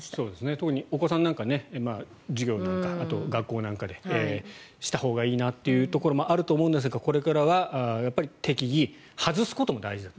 特にお子さんなんか授業の時とか学校なんかでしたほうがいいなというところもあると思うんですがこれからは適宜、外すことも大事だと。